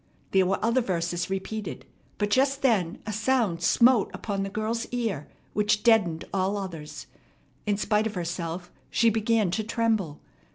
There were other verses repeated, but just then a sound smote upon the girl's ear which deadened all others. In spite of herself she began to tremble.